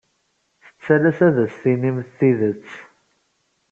Tettalas ad as-tinimt tidet.